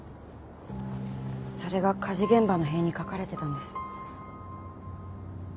それが火事現場の塀に描かれてたんです。